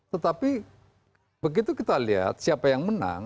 tetapi begitu kita lihat siapa yang menang